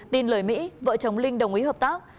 tin lời mỹ vợ chồng linh đồng ý hợp tác